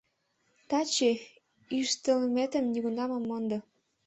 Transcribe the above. — Таче йӱштылметым нигунам от мондо...